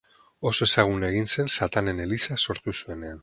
Oso ezaguna egin zen Satanen Eliza sortu zuenean.